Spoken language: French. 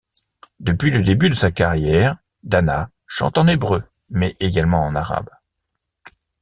Depuis le début de sa carrière, Dana chante en hébreu, mais également en arabe.